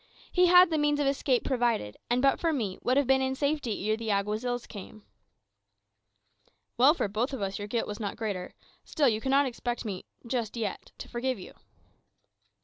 He had the means of escape provided, and but for me would have been in safety ere the Alguazils came." "Well for both of us your guilt was not greater. Still, you cannot expect me just yet to forgive you."